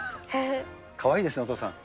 かわいいですね、お父さん。